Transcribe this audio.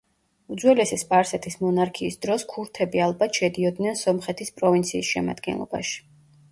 უძველესი სპარსეთის მონარქიის დროს ქურთები ალბათ შედიოდნენ სომხეთის პროვინციის შემადგენლობაში.